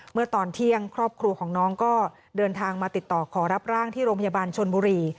เมื่อตอนเที่ยงครอบครัวของน้องก็เดินทางมาติดต่อขอรับร่างที่โรงพยาบาลชนบุรี